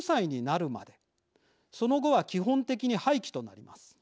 その後は基本的に廃棄となります。